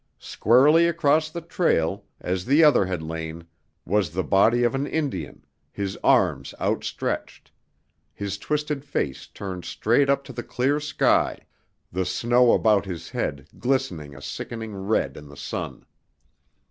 Squarely across the trail, as the other had lain, was the body of an Indian, his arms outstretched, his twisted face turned straight up to the clear sky, the snow about his head glistening a sickening red in the sun.